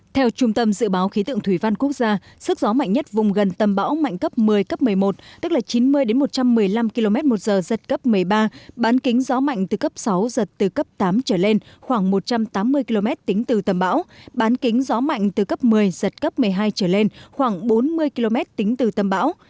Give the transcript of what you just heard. theo trung tâm dự báo khí tượng thủy văn quốc gia sức gió mạnh nhất vùng gần tâm bão mạnh cấp một mươi cấp một mươi một tức là chín mươi một trăm một mươi năm km một giờ giật cấp một mươi ba bán kính gió mạnh từ cấp sáu giật từ cấp tám trở lên khoảng một trăm tám mươi km tính từ tâm bão bán kính gió mạnh từ cấp một mươi giật cấp một mươi hai trở lên khoảng bốn mươi km tính từ tâm bão